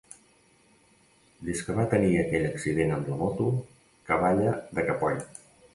Des que va tenir aquell accident amb la moto que balla de capoll.